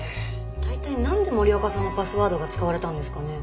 大体何で森若さんのパスワードが使われたんですかね。